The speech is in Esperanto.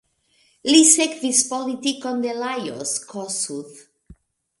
Li sekvis politikon de Lajos Kossuth.